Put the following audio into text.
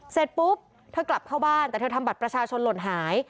เสร็จปุ๊บเธอกลับเข้าบ้านแต่เธอทำบัตรประชาชนหล่นหาย